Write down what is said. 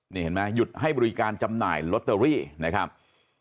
นี่เห็นไหมหยุดให้บริการจำหน่ายลอตเตอรี่นะครับ